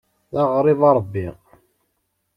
D aɣrib a Ṛebbi.